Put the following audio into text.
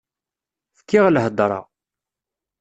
Fkiɣ lhedra.